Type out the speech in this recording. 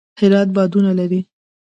هرات بادونه لري